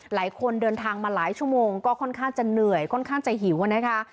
หลายคนเดินทางมาหลายชั่วโมงก็ค่อนข้างจะเหนื่อยค่อนข้างจะหิวนะคะ